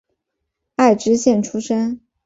爱知县出身。